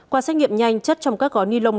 qua xét nghiệm nhanh chất trong các gói ni lông